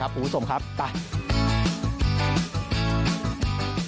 ครับคุณผู้ชมครับต่างหลัง